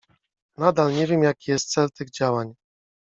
Nadal nie wiem jaki jest cel tych działań.